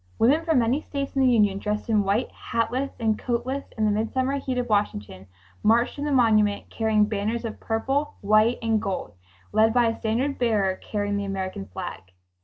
Women from many states in the Union, dressed in white, hatless and coatless in the midsummer heat of Washington, marched t0 the monument carrying banners of purple, white and gold, led by a standard bearer carrying the American flag.